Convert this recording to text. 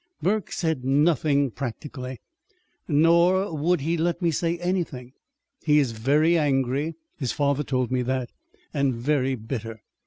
"Burke said nothing, practically. Nor would he let me say anything. He is very angry (his father told me that), and very bitter."